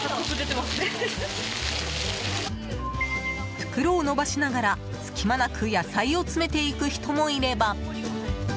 袋を伸ばしながら、隙間なく野菜を詰めていく人もいれば。